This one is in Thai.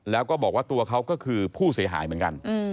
แล้วก็บอกว่าตัวเขาก็คือผู้เสียหายเหมือนกัน